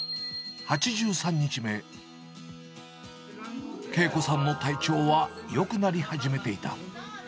８３日目、慶子さんの体調はよくなり始めていた。